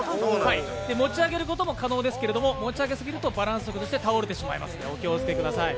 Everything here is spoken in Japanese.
持ち上げることも可能ですけど、持ち上げすぎるとバランスを崩して倒れてしまうので気をつけてください。